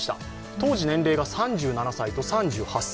当時年齢が３７歳と３８歳。